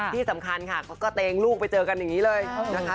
ที่สำคัญค่ะก็กระเตงลูกไปเจอกันอย่างนี้เลยนะคะ